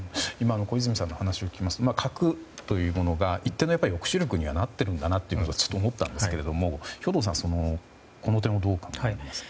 小泉さんの話を聞きますと核というものが一定の抑止力になっているとちょっと思ったんですが兵頭さん、この点をどう考えますか。